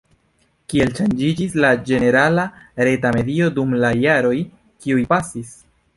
Kiel ŝanĝiĝis la ĝenerala reta medio dum la jaroj kiuj pasis?